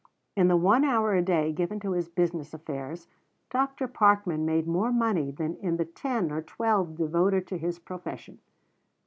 In the one hour a day given to his business affairs, Dr. Parkman made more money than in the ten or twelve devoted to his profession.